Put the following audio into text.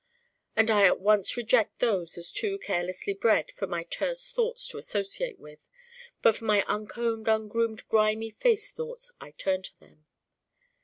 And I at once reject those as too carelessly bred for my terse thoughts to associate with. (But for my uncombed ungroomed grimy faced thoughts I turn to them.)